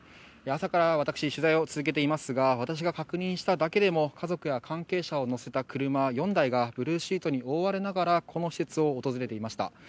朝から取材を続けていますが確認しただけでも家族や関係者を乗せた車４台がブルーシートに覆われながらこの施設に訪れていました。